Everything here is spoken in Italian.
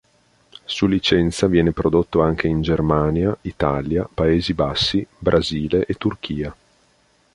Su licenza viene prodotto anche in Germania, Italia, Paesi Bassi, Brasile e Turchia.